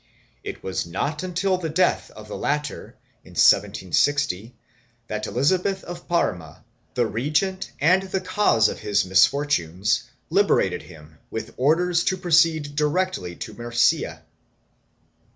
It was not until the death of the latter, in 1760, that Elisabeth of Parma, the regent and the cause of his misfortunes, liberated him with orders to proceed directly to Murcia.